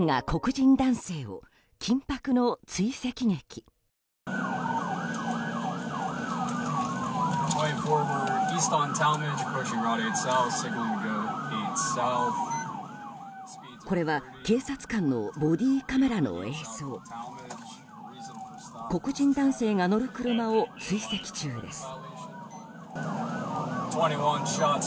黒人男性が乗る車を追跡中です。